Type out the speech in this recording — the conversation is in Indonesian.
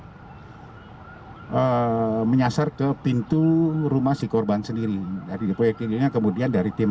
hai eh menyasar ke pintu rumah si korban sendiri dari depan ini kemudian dari tim